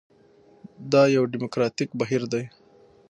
دا یو ډیموکراټیک بهیر دی.